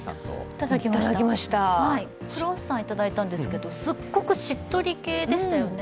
いただきました、クロワッサンいただいたんですけれども、すっごくしっとり系でしたよね。